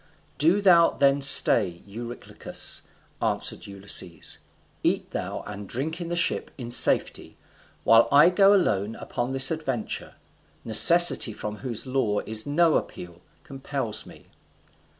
"Do thou then stay, Eurylochus," answered Ulysses: "eat thou and drink in the ship in safety; while I go alone upon this adventure: necessity, from whose law is no appeal, compels me."